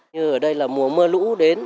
như ở đây là mùa mưa lũ đến